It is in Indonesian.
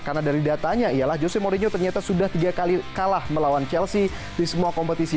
karena dari datanya ialah jose mourinho ternyata sudah tiga kali kalah melawan chelsea di semua kompetisi